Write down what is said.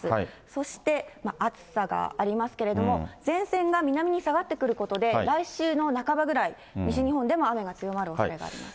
そして暑さがありますけれども、前線が南に下がってくることで、来週の半ばぐらい、西日本でも雨が強まるおそれがあります。